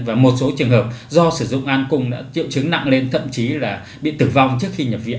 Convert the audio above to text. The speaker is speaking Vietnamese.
và một số trường hợp do sử dụng an cung đã triệu chứng nặng lên thậm chí là bị tử vong trước khi nhập viện